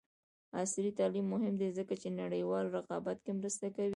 عصري تعلیم مهم دی ځکه چې نړیوال رقابت کې مرسته کوي.